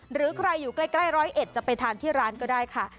หรือใครอยู่ใกล้ร้อยเอ็ดจะไปทานที่ร้านก็ได้ค่ะ